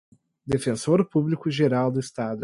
defensor público-geral do Estado